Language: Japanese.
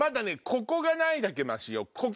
ここがないだけマシよ。